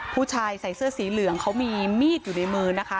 ผู้ชายใส่เสื้อสีเหลืองเขามีมีดอยู่ในมือนะคะ